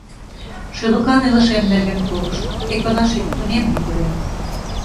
Шӱлыкан илышем нерген колышт, Ӧкынаш ит тунем, ӱдырем!